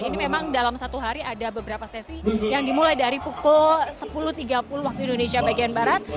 ini memang dalam satu hari ada beberapa sesi yang dimulai dari pukul sepuluh tiga puluh waktu indonesia bagian barat